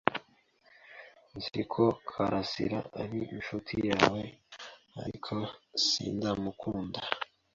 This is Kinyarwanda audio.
Nzi ko Kalasira ari inshuti yawe, ariko sindamukunda.